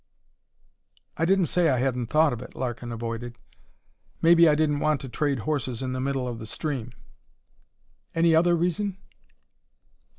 "I didn't say I hadn't thought of it," Larkin avoided. "Maybe I didn't want to trade horses in the middle of the stream." "Any other reason?"